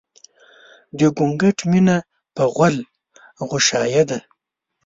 د ګونګټ مينه په غول غوشايه ده